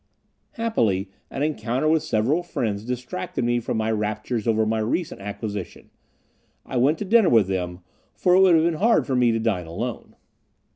Happily, an encounter with several friends distracted me from my raptures over my recent acquisition, I went to dinner with them, for it would have been hard for me to dine alone.